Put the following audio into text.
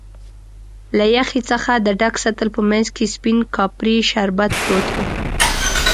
له یخی څخه د ډک سطل په مینځ کې سپین کاپري شربت پروت و.